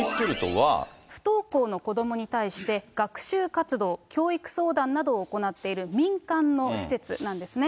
不登校の子どもに対して、学習活動、教育相談などを行っている民間の施設なんですね。